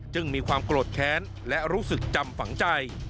มีความโกรธแค้นและรู้สึกจำฝังใจ